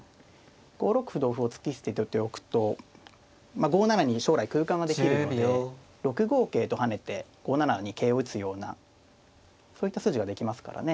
５六歩同歩を突き捨てておくと５七に将来空間ができるので６五桂と跳ねて５七に桂を打つようなそういった筋ができますからね。